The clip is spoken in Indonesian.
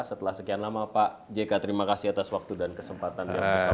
setelah sekian lama pak jk terima kasih atas waktu dan kesempatan